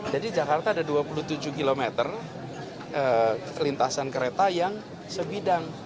jadi jakarta ada dua puluh tujuh km lintasan kereta yang sebidang